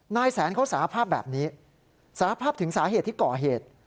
นายแสนเขาสาภาพแบบนี้สารภาพถึงสาเหตุที่ก่อเหตุ